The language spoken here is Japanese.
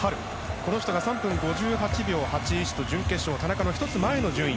この人が３分５８秒８１と準決勝、田中の１つ前の順位。